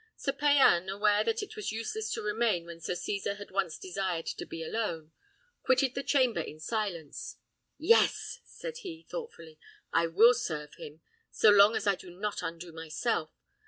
Sir Payan, aware that it was useless to remain when Sir Cesar had once desired to be alone, quitted the chamber in silence. "Yes!" said he, thoughtfully, "I will serve him, so long as I do not undo myself.